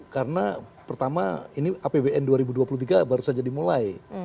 karena pertama ini apbn dua ribu dua puluh tiga baru saja dimulai